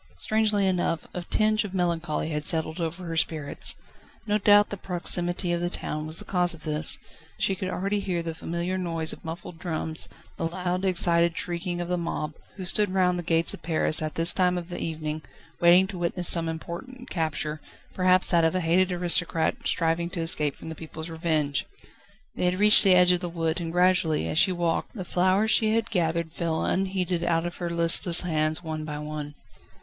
Strangely enough, a tinge of melancholy had settled over her spirits. No doubt the proximity of the town was the cause of this. She could already hear the familiar noise of muffled drums, the loud, excited shrieking of the mob, who stood round the gates of Paris, at this time of the evening, waiting to witness some important capture, perhaps that of a hated aristocrat striving to escape from the people's revenge. They had reached the edge of the wood, and gradually, as she walked, the flowers she had gathered fell unheeded out of her listless hands one by one.